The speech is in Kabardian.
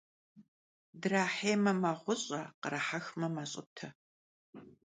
Drahêyme, meğuş'e, khrahexme, meş'ıte.